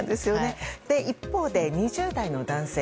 一方で２０代の男性。